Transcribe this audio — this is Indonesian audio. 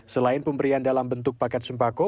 selain pemberian dalam bentuk paket sembako